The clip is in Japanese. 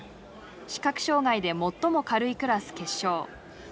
視覚障害で最も軽いクラス決勝。